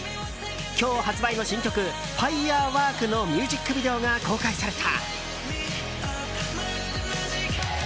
今日発売の新曲「ＦＩＲＥＷＯＲＫ」のミュージックビデオが公開された。